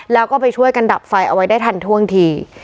แล้วก็ไปช่วยกันดับไฟเอาไว้ได้ทันท่วงที